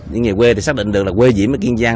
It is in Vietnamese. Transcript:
những người quê thì xác định được là quê diễm ở kiên giang